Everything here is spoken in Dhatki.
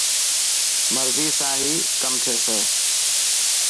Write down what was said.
مرضي سان هي ڪم ٿيسي.